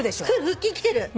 腹筋きてる。